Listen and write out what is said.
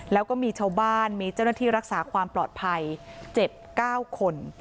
แล้วก็มีชาวบ้านมีเจ้าหน้าที่รักษาความปลอดภัยเจ็บ๙คน